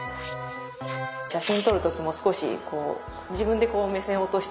写真撮る時も少し自分でこう目線を落として。